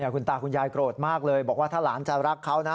คุณตาคุณยายโกรธมากเลยบอกว่าถ้าหลานจะรักเขานะ